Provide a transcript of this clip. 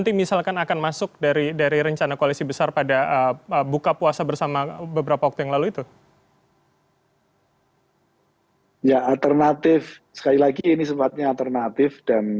ya alternatif sekali lagi ini sepatunya alternatif